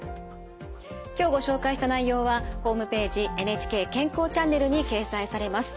今日ご紹介した内容はホームページ「ＮＨＫ健康チャンネル」に掲載されます。